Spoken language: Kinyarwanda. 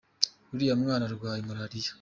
uriya mwana arwaye malariya.